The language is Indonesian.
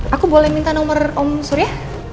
aku boleh minta nomor om surya